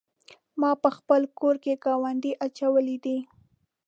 ما په خپل کور کې ګاونډی اچولی دی.